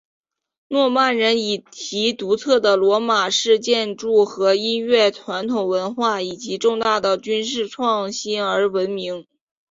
诺曼人以其独特的罗马式建筑和音乐传统文化以及重大的军事创新而闻名。